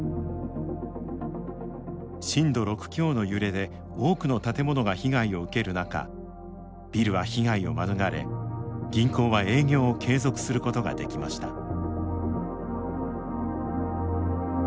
震度６強の揺れで多くの建物が被害を受ける中ビルは被害を免れ銀行は営業を継続することができました。